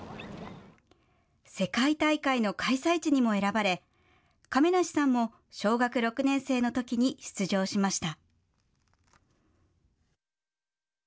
世界大会の開催地にも選ばれ亀梨さんも小学６年生のときに出場しました。